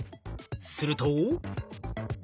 すると。